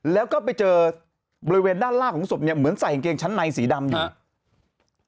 แล้วก็ไปเจอบริเวณด้านล่างของศพเนี่ยเหมือนใส่กางเกงชั้นในสีดำอยู่